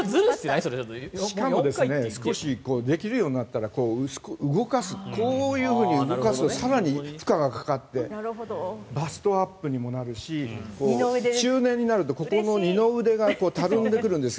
少しできるようになったら動かす、こういうふうに動かすと更に負荷がかかってバストアップにもなるし中年になるとここの二の腕がたるんでくるんですよ。